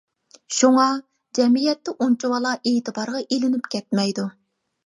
شۇڭا، جەمئىيەتتە ئۇنچىۋالا ئېتىبارغا ئېلىنىپ كەتمەيدۇ.